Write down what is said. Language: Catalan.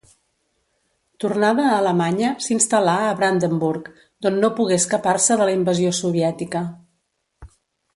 Tornada a Alemanya s'instal·là a Brandenburg d'on no pogué escapar-se de la invasió soviètica.